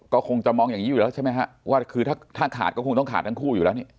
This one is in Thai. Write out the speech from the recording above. ก็คงจะมองอย่างนี้อยู่แล้วใช่ไหมฮะว่าคือถ้าขาดก็คงต้องขาดทั้งคู่อยู่แล้วนี่